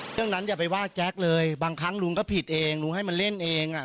เรื่องนั้นอย่าไปว่าแจ๊คเลยบางครั้งลุงก็ผิดเองลุงให้มันเล่นเองอ่ะ